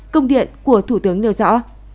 công điện của thủ tướng nêu rõ